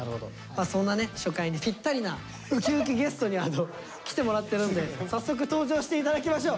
そんなね初回にぴったりなウキウキゲストに来てもらってるんで早速登場していただきましょう。